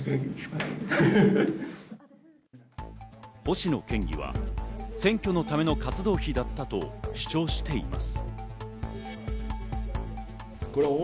星野県議は選挙のための活動費だったと主張しています。